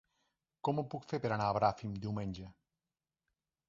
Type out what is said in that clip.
Com ho puc fer per anar a Bràfim diumenge?